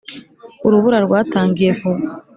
urubura rwatangiye kugwa